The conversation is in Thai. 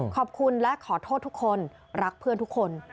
ขอบคุณและขอโทษทุกคนรักเพื่อนทุกคน